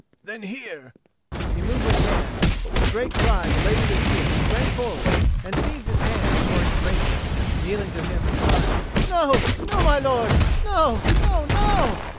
Then here " He moved his hand, but with a great cry the Lady Lucia sprang forward and seized his hand before he could raise it, kneeling to him and crying, "No, no, my lord, no, no, no!"